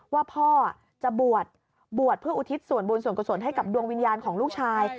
ว่าพ่อจะบวชบวชเพื่ออุทิศส่วนบุญส่วนกุศลให้กับดวงวิญญาณของลูกชาย